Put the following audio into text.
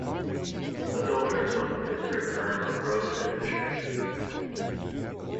The builder was the Pittsburgh firm of Rose and Fisher.